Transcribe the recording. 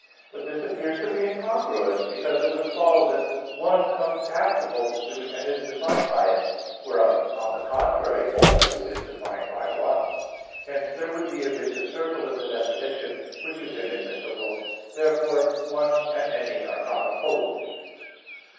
But this appears to be incongruous; because it would follow that "one" comes after "multitude," and is defined by it; whereas, on the contrary, "multitude" is defined by "one." Hence there would be a vicious circle in the definition; which is inadmissible. Therefore "one" and "many" are not opposed.